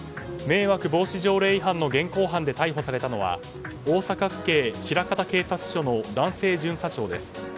迷惑防止条例違反の現行犯で逮捕されたのは大阪府警枚方警察署の男性巡査長です。